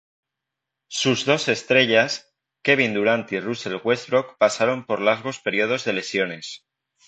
Sus dos estrellas, Kevin Durant y Russell Westbrook pasaron por largos periodos de lesiones.